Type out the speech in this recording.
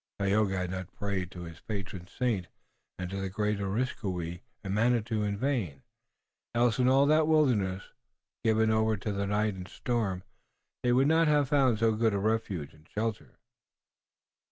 Tayoga had not prayed to his patron saint and to the great Areskoui and Manitou in vain, else in all that wilderness, given over to night and storm, they would not have found so good a refuge and shelter.